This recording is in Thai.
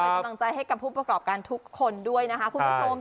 เป็นกำลังใจให้กับผู้ประกอบการทุกคนด้วยนะคะคุณผู้ชม